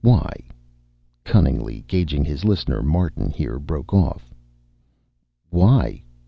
Why?" Cunningly gauging his listener, Martin here broke off. "Why?"